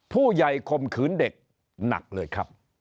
ผู้ใหญ่คมขืนเด็กหนักเลยครับ